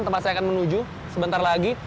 yang pasti akan menuju sebentar lagi